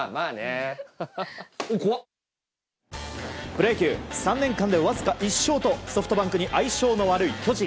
プロ野球３年間でわずか１勝とソフトバンクに相性の悪い巨人。